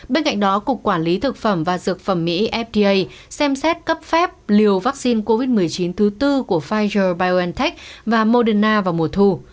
bên cạnh đó cục quản lý thực phẩm và dược phẩm mỹ fda xem xét cấp phép liều vaccine covid một mươi chín thứ tư của pfizer biontech và moderna vào mùa thu